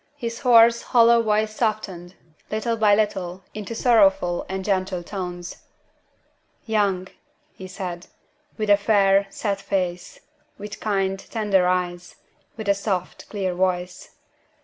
His hoarse, hollow voice softened, little by little, into sorrowful and gentle tones. "Young," he said; "with a fair, sad face with kind, tender eyes with a soft, clear voice.